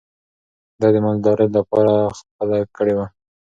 ده د منځلارۍ لار خپله کړې وه.